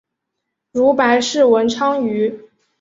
如白氏文昌鱼。